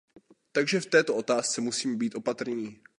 Takže v této otázce musíme být opatrní.